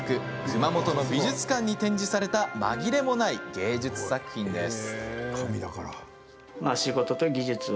熊本の美術館に展示された紛れもない芸術作品です。